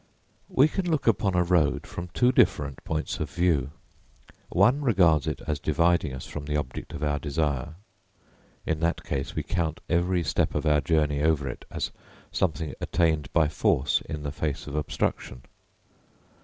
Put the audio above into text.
We can look upon a road from two different points of view. One regards it as dividing us from the object of our desire; in that case we count every step of our journey over it as something attained by force in the face of obstruction.